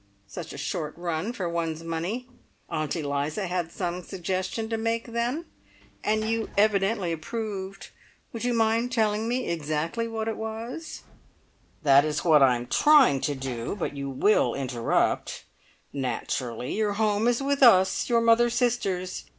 Such a short run for one's money! Aunt Eliza had some suggestion to make, then? And you evidently approved. Would you mind telling me exactly what it was?" "That is what I am trying to do, but you will interrupt. Naturally, your home is with us, your mother's sisters.